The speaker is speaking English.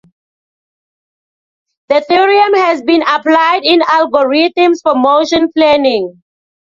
The theorem has been applied in algorithms for motion planning.